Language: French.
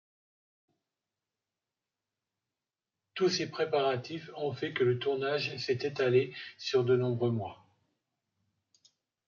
Tous ces préparatifs ont fait que le tournage s'est étalé sur de nombreux mois.